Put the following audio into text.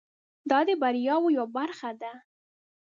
دا د بریاوو یوه برخه ده.